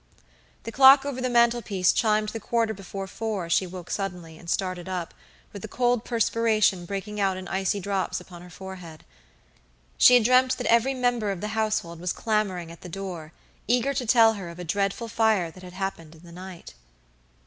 The clock over the mantelpiece chimed the quarter before four as she woke suddenly and started up, with the cold perspiration breaking out in icy drops upon her forehead. She had dreamt that every member of the household was clamoring at the door, eager to tell her of a dreadful fire that had happened in the night.